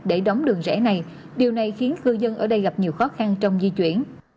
để đóng đường rẽ này điều này khiến cư dân ở đây gặp nhiều khó khăn trong di chuyển